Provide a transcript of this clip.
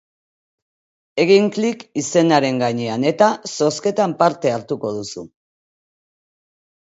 Egin klik izenaren gainean eta zozketan parte hartuko duzu.